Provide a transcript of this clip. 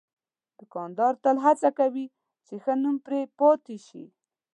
دوکاندار تل هڅه کوي چې ښه نوم پرې پاتې شي.